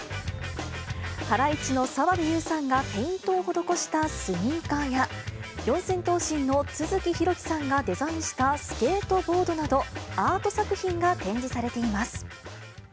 ハライチの澤部佑さんがペイントを施したスニーカーや、四千頭身の都築拓紀さんがデザインしたスケートボードなど、アート作品が展示されています。